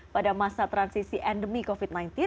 pada masa transisi endemi covid sembilan belas